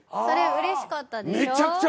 それうれしかったでしょ？